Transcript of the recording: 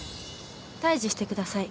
退治してください。